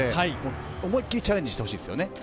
思い切りチャレンジしてほしいですね。